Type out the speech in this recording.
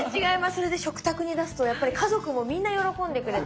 それで食卓に出すとやっぱり家族もみんな喜んでくれて。